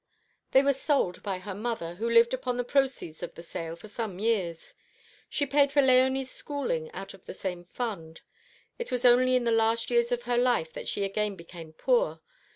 "They were sold by her mother, who lived upon the proceeds of the sale for some years. She paid for Léonie's schooling out of the same fund. It was only in the last years of her life that she again became poor.